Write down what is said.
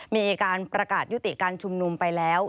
มีการประกาศยุติการชุมนุมไปแล้ว